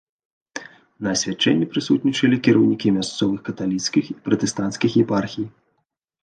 На асвячэнні прысутнічалі кіраўнікі мясцовых каталіцкіх і пратэстанцкіх епархій.